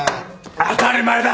当たり前だ！